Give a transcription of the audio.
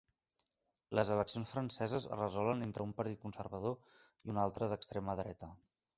Les eleccions franceses es resolen entre un partit conservador i un altre d'extrema dreta.